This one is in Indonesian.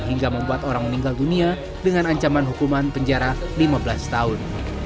hingga membuat orang meninggal dunia dengan ancaman hukuman penjara lima belas tahun